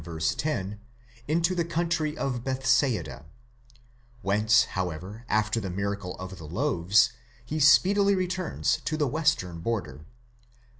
10), into the country of Bethsaida (Julias) ; whence, however, after the miracle of the loaves, he speedily returns to the western border (xiv.